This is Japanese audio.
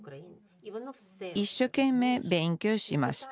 一生懸命勉強しました